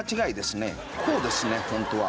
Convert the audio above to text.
こうですねホントは。